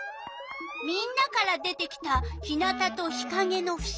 みんなから出てきた日なたと日かげのふしぎ。